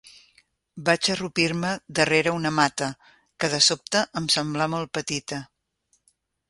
Vaig arrupir-me darrere una mata, que de sobte em semblà molt petita